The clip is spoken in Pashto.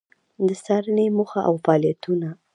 د څارنې موخه او فعالیتونه: